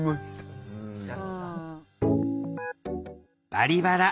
「バリバラ」。